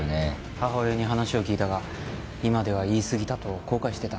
母親に話を聞いたが今では言いすぎたと後悔してた。